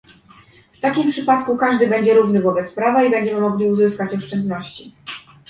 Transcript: W takim przypadku każdy będzie równy wobec prawa i będziemy mogli uzyskać oszczędności